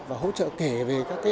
và hỗ trợ kể về các cái